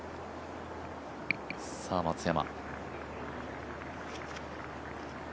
さあ松山。